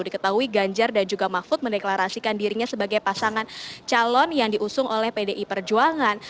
diketahui ganjar dan juga mahfud mendeklarasikan dirinya sebagai pasangan calon yang diusung oleh pdi perjuangan